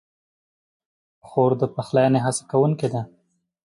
خور د پخلاینې هڅه کوونکې ده.